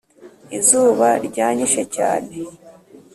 Izuba ryanyishe cyane